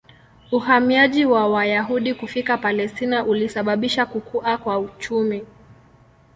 Uhamiaji wa Wayahudi kufika Palestina ulisababisha kukua kwa uchumi.